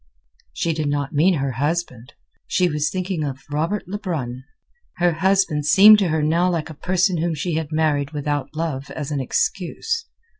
She did not mean her husband; she was thinking of Robert Lebrun. Her husband seemed to her now like a person whom she had married without love as an excuse.